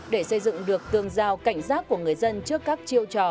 để xây dựng được tương giao cảnh giác của người dân trước các chiêu trò